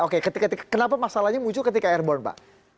oke kenapa masalahnya muncul ketika airborne pak